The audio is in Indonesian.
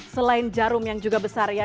selain jarum yang juga besar ya